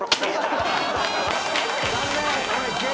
残念。